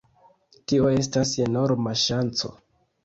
Tio estas enorma ŝanco.